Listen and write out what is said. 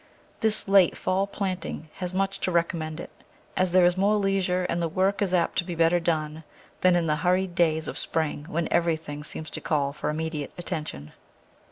This late fall planting has much to recommend it, as there is more leisure and the work is apt to be better done than in the hurried days of spring when everything seems to call for immediate attention.